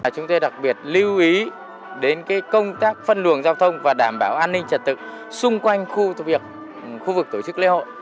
chúng tôi đặc biệt lưu ý đến công tác phân luồng giao thông và đảm bảo an ninh trật tự xung quanh khu vực khu vực tổ chức lễ hội